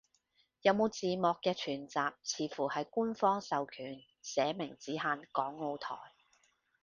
有冇字幕嘅全集，似乎係官方授權，寫明只限港澳台